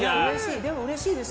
でも、うれしいです。